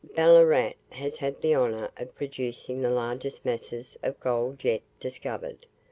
Ballarat has had the honour of producing the largest masses of gold yet discovered.